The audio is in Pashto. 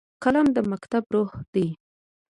قلم د مکتب روح دی